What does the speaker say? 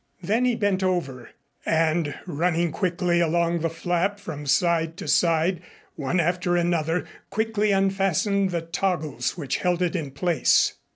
Then he bent over, and running quickly along the flap from side to side, one after another quickly unfastened the toggles which held it in place.